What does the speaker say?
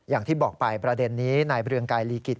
อย่างที่บอกไปประเด็นนี้ในบริเวณกายลีกิจ